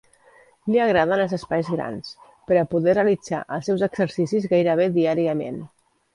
Li agraden els espais grans per a poder realitzar els seus exercicis gairebé diàriament.